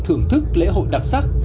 thưởng thức lễ hội đặc sắc